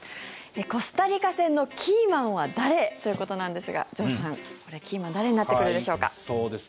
コスタリカ戦のキーマンは誰？ということなんですが城さん、キーマン誰になってくるでしょうか。